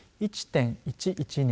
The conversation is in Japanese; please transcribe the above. １．１１人。